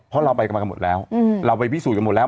เพราะเราไปกันมากันหมดแล้วเราไปพิสูจน์กันหมดแล้ว